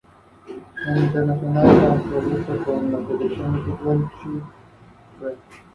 Estudió humanidades en la universidad.